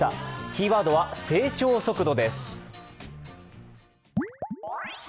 キーワードは成長速度です。